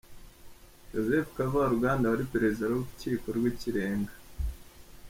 Joseph Kavaruganda wari Perezida w’Urukiko rw’Ikirenga.